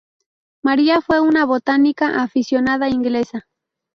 María fue una botánica aficionada inglesa.